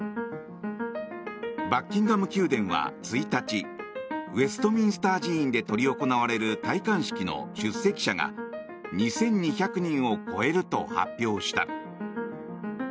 バッキンガム宮殿は１日ウェストミンスター寺院で執り行われる戴冠式の出席者が２２００人を超えると発表した。